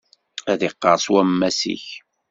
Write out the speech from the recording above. Ad iqqerṣ wammas-ik.